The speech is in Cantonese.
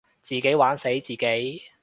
自己玩死自己